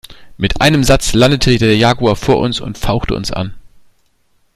Mit einem Satz landete der Jaguar vor uns und fauchte uns an.